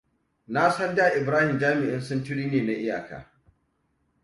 Na san da Ibrahim jami'in suntiri ne a iyaka.